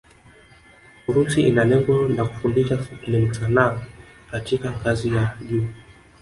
Urusi ina lengo la kufundisha elimu sanaa katika ngazi ya juu